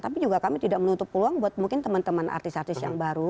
tapi juga kami tidak menutup peluang buat mungkin teman teman artis artis yang baru